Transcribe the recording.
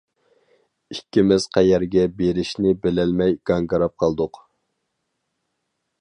ئىككىمىز قەيەرگە بېرىشىنى بىلەلمەي گاڭگىراپ قالدۇق.